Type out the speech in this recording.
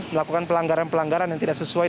melakukan pelanggaran pelanggaran yang tidak sesuai